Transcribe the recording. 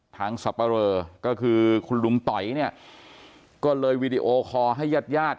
ทางทรัพย์ก็คือคุณลุงต๋อยเนี้ยก็เลยวีดีโอคอล์ให้ญาติ